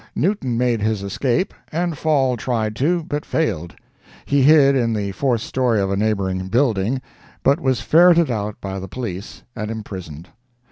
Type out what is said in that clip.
Newton made his escape, and Fall tried to, but failed. He hid in the fourth story of a neighboring building, but was ferreted out by the police, and imprisoned.